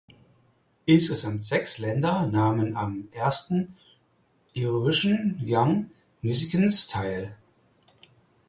Insgesamt sechs Länder nahmen am ersten Eurovision Young Musicians teil.